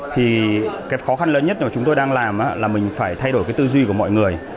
thì cái khó khăn lớn nhất mà chúng tôi đang làm là mình phải thay đổi cái tư duy của mọi người